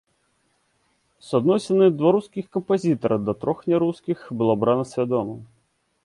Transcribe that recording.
Суадносіны два рускіх кампазітара да трох нярускіх было абрана свядома.